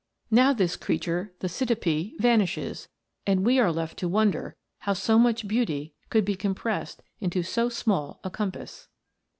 Now this creature vanishes, and we are left to wonder how so much beauty could be compressed into so small a compass